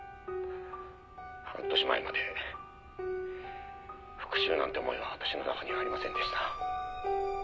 「半年前まで復讐なんて思いは私の中にはありませんでした」